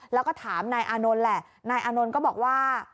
แล้วก็ถามนายอานนท์แหละนายอานนท์ก็บอกว่า